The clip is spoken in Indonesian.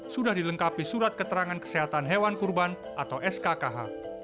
sudah dilengkapi surat keterangan kesehatan hewan kurban atau skkh